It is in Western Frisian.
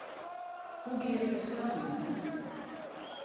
Hoe giest dêr sels mei om?